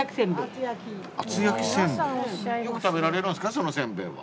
よく食べられるんですかその煎餅は。